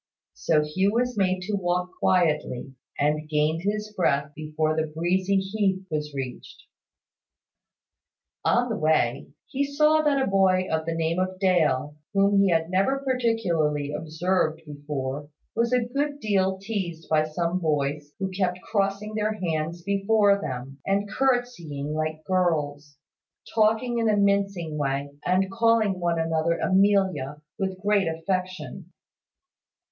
So Hugh was made to walk quietly, and gained his breath before the breezy heath was reached. On the way, he saw that a boy of the name of Dale, whom he had never particularly observed before, was a good deal teased by some boys who kept crossing their hands before them, and curtseying like girls, talking in a mincing way, and calling one another Amelia, with great affectation.